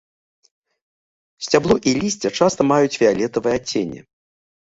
Сцябло і лісце часта маюць фіялетавае адценне.